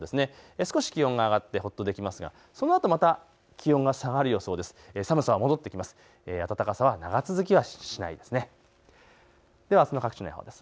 少し気温が上がってほっとできますが、そのあとまた気温が下がる予想です。